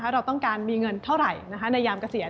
เราต้องการมีเงินเท่าไหร่ในยามเกษียณ